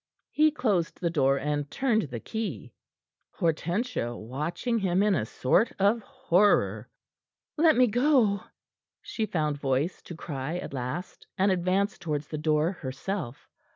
He closed the door, and turned the key, Hortensia watching him in a sort of horror. "Let me go!" she found voice to cry at last, and advanced towards the door herself.